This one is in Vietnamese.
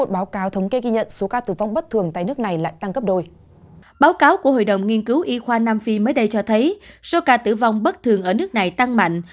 báo cáo của hội đồng nghiên cứu y khoa nam phi mới đây cho thấy số ca tử vong bất thường ở nước này tăng mạnh